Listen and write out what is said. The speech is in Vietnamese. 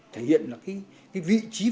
thể hiện là vị trí vai trò của nhân dân